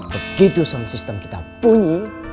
begitu sound system kita bunyi